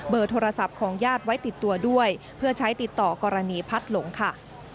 โทรศัพท์ของญาติไว้ติดตัวด้วยเพื่อใช้ติดต่อกรณีพัดหลงค่ะ